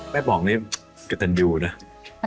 แม่บ๋องนี่คือตันยูนะ